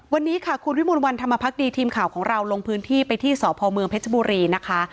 วันนี้ค่ะคุณวิมวลวันธรรมพักดีทีมข่าวของเราลงพื้นที่ไปที่สพเมืองเพชรบุรีนะคะ